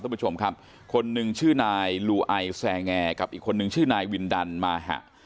คุณผู้ชมครับคนหนึ่งชื่อนายลูไอแซแงกับอีกคนนึงชื่อนายวินดันมาหะ